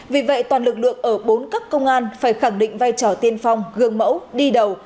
vì vậy toàn lực lượng ở bốn cấp công an phải khẳng định vai trò tiên phong gương mẫu đi đầu